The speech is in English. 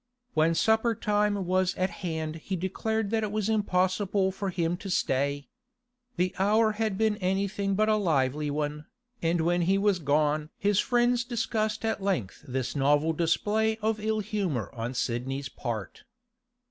When supper time was at hand he declared that it was impossible for him to stay. The hour had been anything but a lively one, and when he was gone his friends discussed at length this novel display of ill humour on Sidney's part.